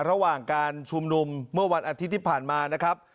ระหว่างการชุมนุมเมื่อวันอาทิตย์ที่ผ่านมานะครับ